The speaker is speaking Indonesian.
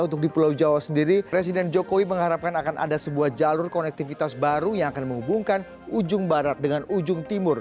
untuk di pulau jawa sendiri presiden jokowi mengharapkan akan ada sebuah jalur konektivitas baru yang akan menghubungkan ujung barat dengan ujung timur